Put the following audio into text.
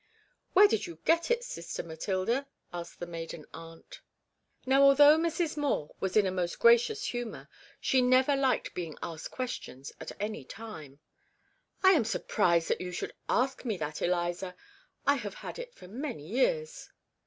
'Where did you get it, sister Matilda?' asked the maiden aunt. Now, although Mrs. Moore was in a most gracious humour, she never liked being asked questions at any time. 'I am surprised that you should ask me that, Eliza. I have had it for many years.'